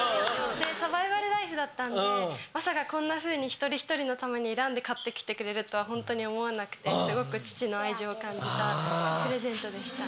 サバイバルナイフだったんでまさかこんなふうに一人一人のために選んで買ってきてくれるとはホントに思わなくてすごく父の愛情を感じたプレゼントでした。